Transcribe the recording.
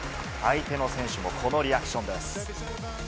相手の選手もこのリアクションです。